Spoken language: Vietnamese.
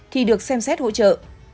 thì được xem xét hỗ trợ